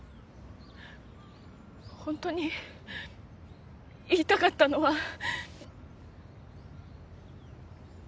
本当に言いたかったのは。